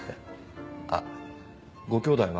あご兄弟は？